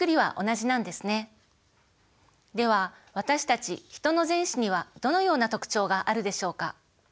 では私たちヒトの前肢にはどのような特徴があるでしょうか。